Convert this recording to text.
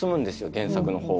原作の方は。